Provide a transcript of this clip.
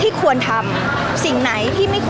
พี่ตอบได้แค่นี้จริงค่ะ